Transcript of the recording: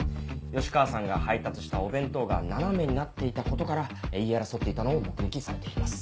吉川さんが配達したお弁当が斜めになっていたことから言い争っていたのを目撃されています。